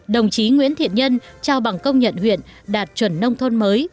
đồng chí nguyễn thiện nhân trao bằng công nhận huyện đạt chuẩn nông thôn mới